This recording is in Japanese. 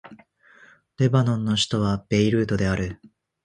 レバノンの首都はベイルートである